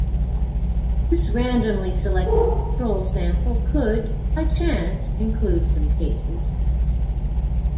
This randomly selected control sample could, by chance, include some cases.